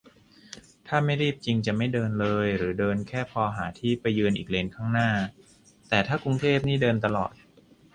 ถ้าไม่รีบจริงจะไม่เดินเลย หรือเดินแค่พอหาที่ไปยืนอีกเลนข้างหน้า แต่ถ้ากรุงเทพนี่เดินตลอด